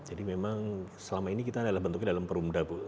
jadi memang selama ini kita adalah bentuknya dalam perumda bu